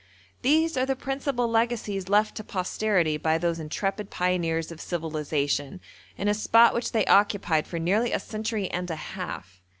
These are the principal legacies left to posterity by those intrepid pioneers of civilisation in a spot which they occupied for nearly a century and a half.